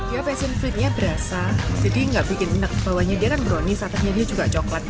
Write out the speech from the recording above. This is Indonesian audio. ya passion fruitnya berasa jadi gak bikin enak bawahnya dia kan brownies atasnya dia juga coklat